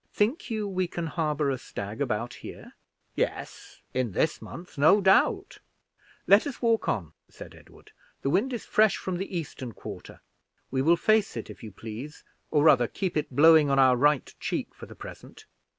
"Think you we can harbor a stag about here?" "Yes, in this month, no doubt." "Let us walk on," said Edward. "The wind is fresh from the eastern quarter; we will face it, if you please or, rather, keep it blowing on our right cheek for the present."